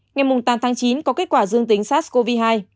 ngày tám tháng chín có kết quả dương tính sars cov hai